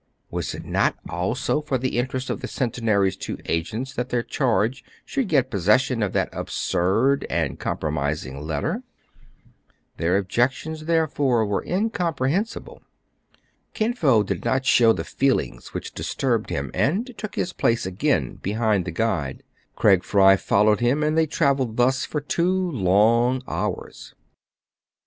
Was it not also for the interest of the Centenary's two agents that their charge should get possession of that absurd and compromising letter } Their objections, therefore, were incomprehensible. Kin Fo did not show the feelings which dis turbed him, and took his place again behind the guide. Craig Fry followed him, and they travelled thus for two long hours. CRAIG AND FRY SEE THE MOON RISE.